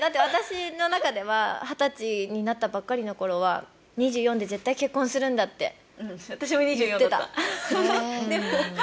私の中では二十歳になったばっかりの頃は２４で絶対結婚するんだって